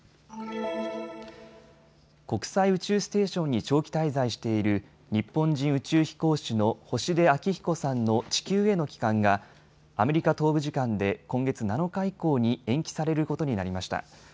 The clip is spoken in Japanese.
国際宇宙ステーションに長期滞在している日本人宇宙飛行士の星出彰彦さんの地球への帰還がアメリカ東部時間で今月７日以降に延期されることになりました。